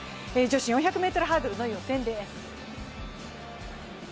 女子４００ｍハードルの予選です。